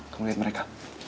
kamu lihat mereka